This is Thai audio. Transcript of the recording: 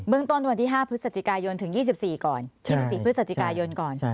เบื้องต้นวันที่๕พฤศจิกายนถึง๒๔พฤศจิกายนก่อน